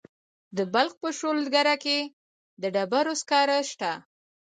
د بلخ په شولګره کې د ډبرو سکاره شته.